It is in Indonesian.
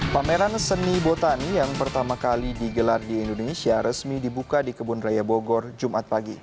pameran seni botani yang pertama kali digelar di indonesia resmi dibuka di kebun raya bogor jumat pagi